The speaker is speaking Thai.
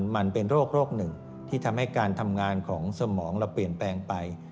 มันเป็นโรคหนึ่งที่ทำให้การทำงานของสมองเราเปลี่ยนแปลงไป